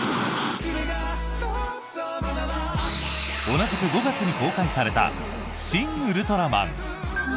同じく５月に公開された「シン・ウルトラマン」。